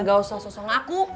nggak usah sosong aku